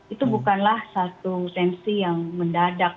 itu bukanlah satu tensi yang mendadak